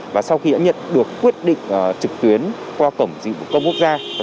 và sau khi đã nhận được quyết định trực tuyến qua cổng dịch vụ công quốc gia